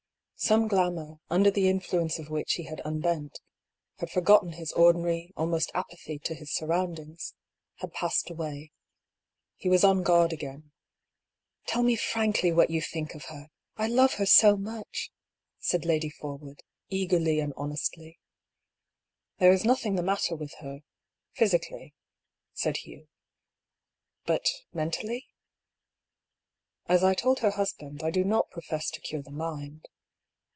Some glamour, under the influence of which he had unbent — ^had forgotten his ordinary almost apathy to his surroundings — ^had passed away. He was on guard again. " Tell me frankly what you think of her. I love her so much !" said Lady Forwood, eagerly and hon estly. " There is nothing the matter with her — ^physically," said Hugh. "But— mentally?" " As I told her husband, I do not profess to cure the mind."